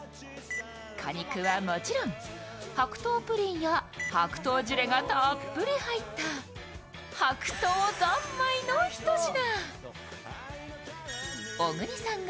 果肉はもちろん白桃プリンや白桃ジュレがたっぷり入った白桃三昧のひと品。